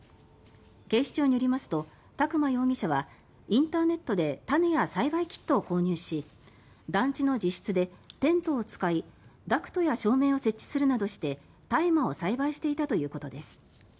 警視庁によりますと宅間容疑者はインターネットで種や栽培キットを購入し団地の自室でテントを使いダクトや照明を設置するなどして大麻を栽培していたということです。